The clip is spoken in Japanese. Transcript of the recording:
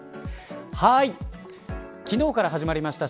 昨日から始まりました